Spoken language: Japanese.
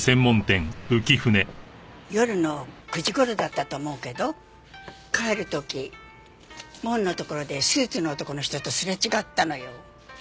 夜の９時頃だったと思うけど帰る時門のところでスーツの男の人とすれ違ったのよ。